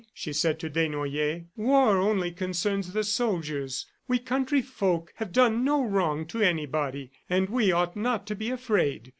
she said to Desnoyers. "War only concerns the soldiers. We countryfolk have done no wrong to anybody, and we ought not to be afraid."